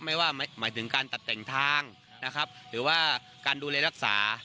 ไม่ว่าหมายถึงการตัดแต่งทางนะครับหรือว่าการดูแลรักษา